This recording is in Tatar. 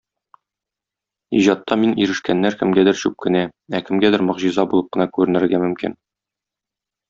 Иҗатта мин ирешкәннәр кемгәдер чүп кенә, ә кемгәдер могҗиза булып кына күренергә мөмкин.